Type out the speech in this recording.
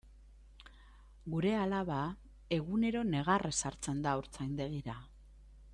Gure alaba egunero negarrez sartzen da haurtzaindegira.